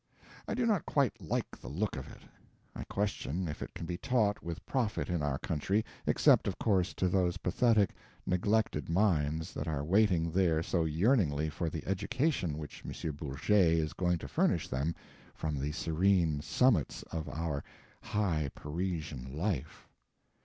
I do not quite like the look of it. I question if it can be taught with profit in our country, except, of course, to those pathetic, neglected minds that are waiting there so yearningly for the education which M. Bourget is going to furnish them from the serene summits of our high Parisian life.